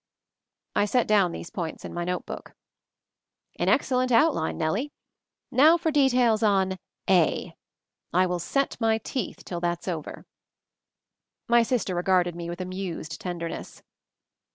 I set down these points in my notebook. "An excellent outline, Nellie. Now for <6 196 MOVING THE MOUNTAIN details on 'a.' I will set my teeth till that's over." My sister regarded me with amused ten derness.